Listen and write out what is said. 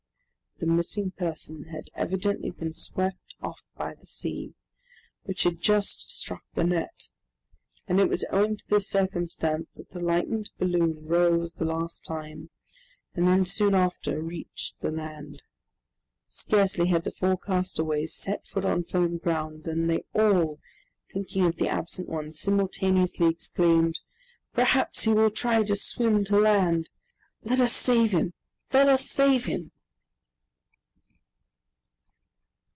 The missing person had evidently been swept off by the sea, which had just struck the net, and it was owing to this circumstance that the lightened balloon rose the last time, and then soon after reached the land. Scarcely had the four castaways set foot on firm ground, than they all, thinking of the absent one, simultaneously exclaimed, "Perhaps he will try to swim to land! Let us save him! let us save him!"